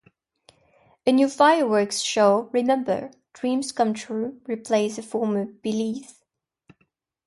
A new fireworks show, "Remember... Dreams Come True", replaced the former "Believe...